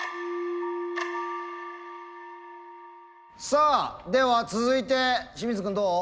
さあでは続いて清水君どう？